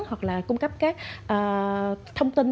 hoặc là cung cấp các thông tin